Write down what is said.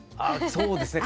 そうですね。